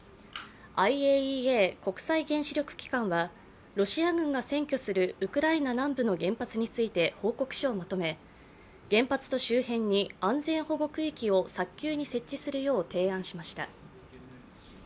ＩＡＥＡ＝国際原子力機関はロシア軍が占拠するウクライナ南部について報告書をまとめ原発と周辺に安全保護区域を早急に設置するよう提案しました。